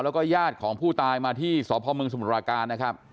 แล้วก็ญาติของผู้ตายมาที่สมรการ